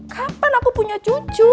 kapan aku punya cucu